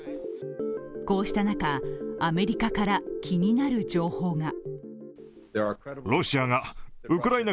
こうした中、アメリカから気になる情報が。